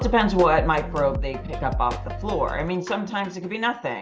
pria otologi dan kenderaan tensi